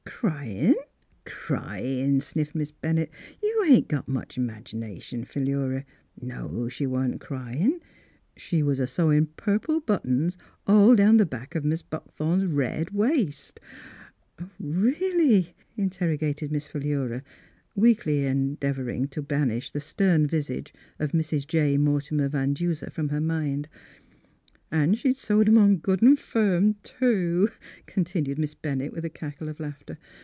" Cryin'? — cryin'," sniffed Miss Ben nett. " You ain't got much 'magination, Philura. No; she wa' n't cryin'. She Miss Fhilura's Wedding Gown was a sewln' purple buttons all down the back of Mis' Buckthorn's red waist !" "Really?" interrogated Miss Philura, weakly endeavouring to banish the stern visage of Mrs. J. Mortimer Van Duser from her mind. " An' she'd sewed 'em on good an' firm, too," continued Miss Bennett, y/ith a cackle of laughter.